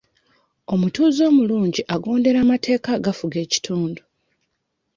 Omutuuze omulungi agondera amateeka agafuga ekitundu.